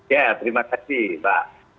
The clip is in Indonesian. ya terima kasih mbak